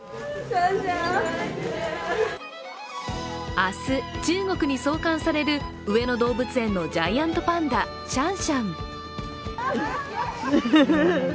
明日、中国に送還される上野動物園のジャイアントパンダ、シャンシャン。